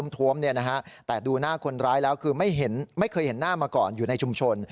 ทวมแต่ดูหน้าคนร้ายแล้วคือไม่เคยเห็นหน้ามาก่อนอยู่ในชุมชน